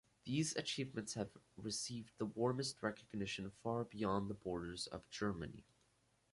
These achievements have received the warmest recognition far beyond the borders of Germany.